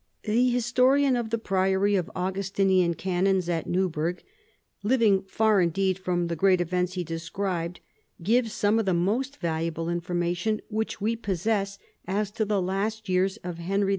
The historian of the priory of Augustinian canons at Newburgh, living far indeed from the great events he described, gives some of the most valuable information which we possess as to the last years of Henry II.